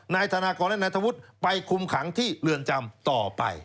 นายธนากรและนายธวุฒิไปคุมขังที่เรือนจำต่อไป